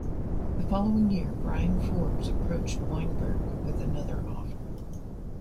The following year, Brian Forbes approached Weinberg with another offer.